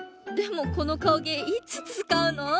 でもこの顔げいいつつかうの？